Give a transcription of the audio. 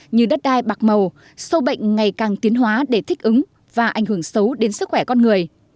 như đất đai bạc màu sâu bệnh ngày càng tiến hóa để thích ứng và ảnh hưởng xấu đến sức khỏe con người